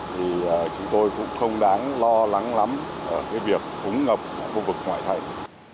thì chúng tôi cũng không đáng lo lắng lắm về việc phúng ngập ở khu vực ngoại thành